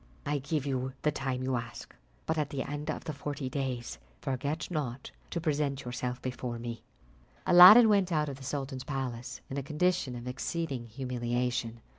"I give you the time you ask, but at the end of the forty days, forget not to present yourself before me." Aladdin went out of the sultan's palace in a condition of exceeding humiliation.